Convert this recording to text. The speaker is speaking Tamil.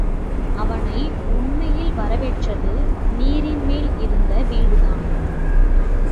அவனை உண்மையில் வரவேற்றது நீரின்மேல் இருந்த வீடுதான்.